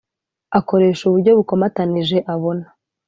Akoresha uburyo bukomatanije abona